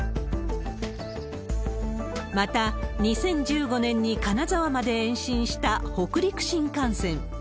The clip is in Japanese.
また、２０１５年に金沢まで延伸した北陸新幹線。